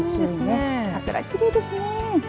きれいですね。